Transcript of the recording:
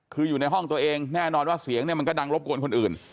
คืออยู่ในห้องตัวเองแน่นอนว่าเสียงเนี่ยมันก็ดังรบกวนคนอื่น